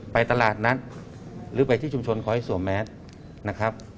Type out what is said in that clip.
ไปตลาดนัดหรือไปที่ชุมชนขอให้สวมแมสนะครับ